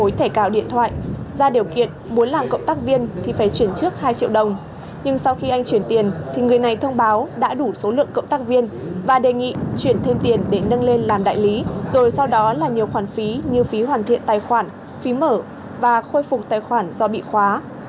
đổi mới thẻ cào điện thoại ra điều kiện muốn làm cộng tác viên thì phải chuyển trước hai triệu đồng nhưng sau khi anh chuyển tiền thì người này thông báo đã đủ số lượng cộng tác viên và đề nghị chuyển thêm tiền để nâng lên làm đại lý rồi sau đó là nhiều khoản phí như phí hoàn thiện tài khoản phí mở và khôi phục tài khoản do bị khóa